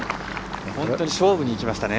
本当に勝負にいきましたね。